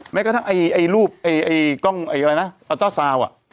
แม้กระทั่งรูปใกล้กล้องเจ้าสาว